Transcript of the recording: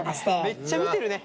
めっちゃ見てるね。